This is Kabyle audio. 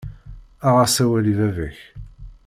Aɣ-as awal i baba-k.